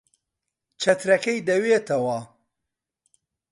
چەترەکەی دەوێتەوە.